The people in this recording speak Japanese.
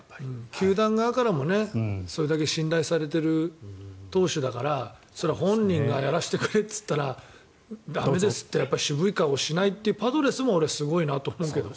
球団側からもそれだけ信頼されてる投手だからそれは本人がやらせてくれと言ったら駄目ですって渋い顔をしないというパドレスもすごいなと思うけど。